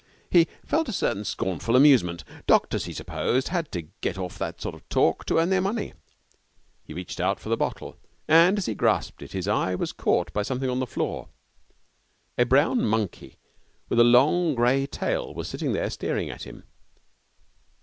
He felt a certain scornful amusement. Doctors, he supposed, had to get off that sort of talk to earn their money. He reached out for the bottle, and as he grasped it his eye was caught by something on the floor. A brown monkey with a long, grey tail was sitting there staring at him.